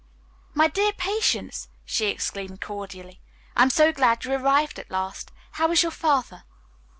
"My dear Patience!" she exclaimed cordially, "I am so glad you arrived at last. How is your father?"